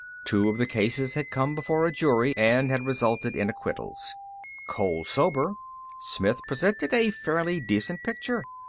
Two of the cases had come before a jury and had resulted in acquittals. Cold sober, Smith presented a fairly decent picture.